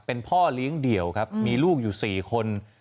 เป็นพ่อเลี้ยงเดี่ยวครับมีลูกอยู่๔คน